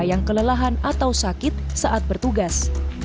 yang kelelahan atau sakit saat bertugas